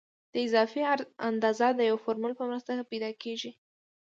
د اضافي عرض اندازه د یو فورمول په مرسته پیدا کیږي